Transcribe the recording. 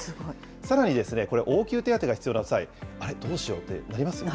さらにこれ、応急手当てが必要な際、あれ、どうしようってなりますよね。